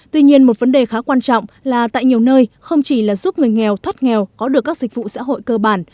tuy nhiên một vấn đề khá quan trọng là tại nhiều nơi không chỉ là giúp người nghèo thoát nghèo có được các dịch vụ xã hội cơ bản